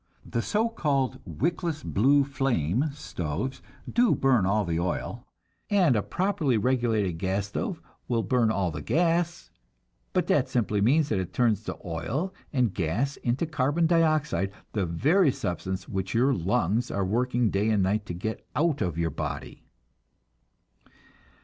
The so called "wickless blue flame" stoves do burn all the oil, and a properly regulated gas stove will burn all the gas, but that simply means that it turns the oil and gas into carbon dioxide, the very substance which your lungs are working day and night to get out of your body.